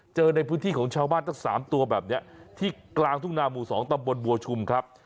เจอในพื้นที่ของชาวบ้านตั้ง๓ตัวแบบนี้ที่กลางทุ่งนาหมู่๒ตำบลบัวชุมครับ